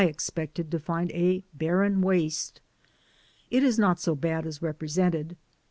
expected to find a barren waste. It is not so bad as represented.